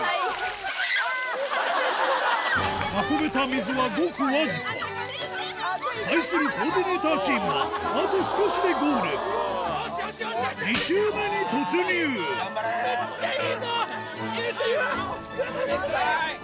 運べた水はごくわずか対するゴーディネーターチームはあと少しでゴール２周目に突入ゆっくりいくぞ！